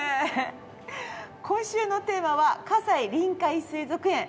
今週のテーマは「西臨海水族園」。